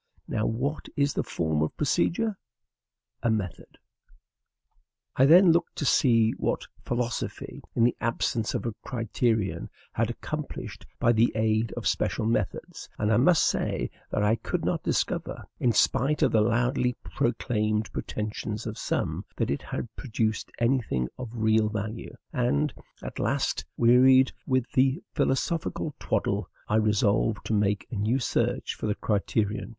Now, what is the form of procedure? A method. I then looked to see what philosophy, in the absence of a criterion, had accomplished by the aid of special methods, and I must say that I could not discover in spite of the loudly proclaimed pretensions of some that it had produced any thing of real value; and, at last, wearied with the philosophical twaddle, I resolved to make a new search for the criterion.